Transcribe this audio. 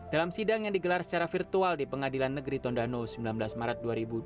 dalam sidang yang digelar secara virtual di pengadilan negeri tondano sembilan belas maret dua ribu dua puluh